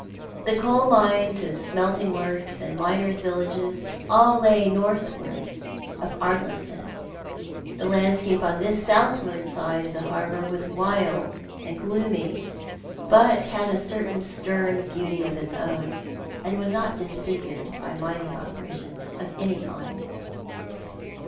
The coal mines and smelting works and miners' villages all lay northward of Ardliston. The landscape on this southward side of the harbour was wild and gloomy, but had a certain stern beauty of its own, and was not disfigured by mining operations of any kind.